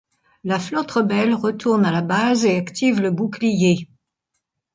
La Flotte Rebelle retourne à la base et active le bouclier.